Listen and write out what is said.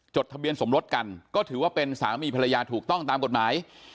ทะเบียนสมรสกันก็ถือว่าเป็นสามีภรรยาถูกต้องตามกฎหมาย